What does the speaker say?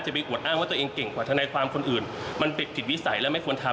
ไปอวดอ้างว่าตัวเองเก่งกว่าทนายความคนอื่นมันผิดวิสัยและไม่ควรทำ